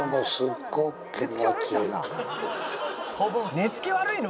「寝つき悪いの？」